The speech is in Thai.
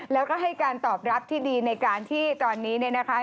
แล้วก็ให้การตอบรับที่ดีในการที่ตอนนี้เนี่ยนะคะ